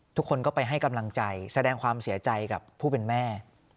ทุกคนก็ไปให้กำลังใจแสดงความเสียใจกับผู้เป็นแม่